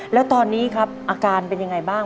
และตอนนี้อาการเป็นไงบ้าง